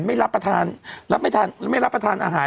ไม่รับประทานอาหาร